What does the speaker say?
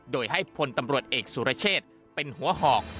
โดยให้พลตำรวจเอกสุรเชษเป็นหัวหอก